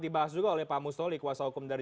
dibahas juga oleh pak mustoli kuasa hukum dari